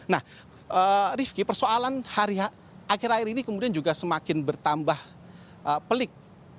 nah rifki persoalan hari akhir akhir ini kemudian juga semakin bertambah pelik